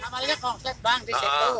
namanya korslet bang disitu